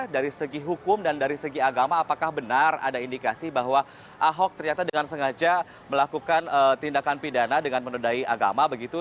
dari segi hukum dan dari segi agama apakah benar ada indikasi bahwa ahok ternyata dengan sengaja melakukan tindakan pidana dengan menudai agama begitu